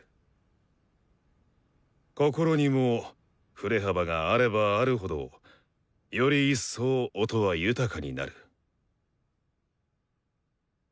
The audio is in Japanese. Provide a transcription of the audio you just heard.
心にも振れ幅があればあるほどより一層音は豊かになる。